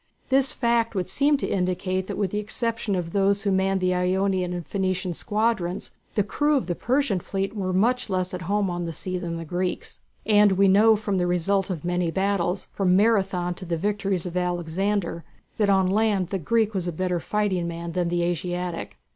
This fact would seem to indicate that with the exception of those who manned the Ionian and Phoenician squadrons the crews of the Persian fleet were much less at home on the sea than the Greeks. And we know from the result of many battles, from Marathon to the victories of Alexander, that on land the Greek was a better fighting man than the Asiatic.